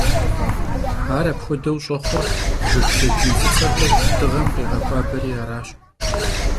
Ar apxuedeu ş'exhur, jjıg lhediy f'ıts'exer dığem khêğexuaberi araş.